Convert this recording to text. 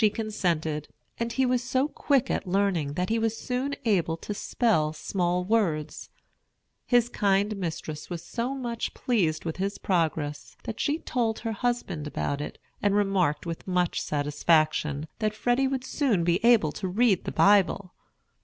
She consented; and he was so quick at learning that he was soon able to spell small words. His kind mistress was so much pleased with his progress, that she told her husband about it, and remarked, with much satisfaction, that Freddy would soon be able to read the Bible.